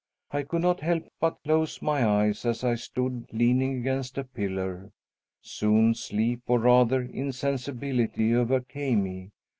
I could not help but close my eyes as I stood leaning against a pillar. Soon sleep, or rather insensibility, overcame me.